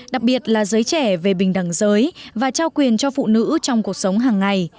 đặc biệt là giới trẻ về bình đẳng giới và trao quyền cho phụ nữ trong cuộc sống hàng ngày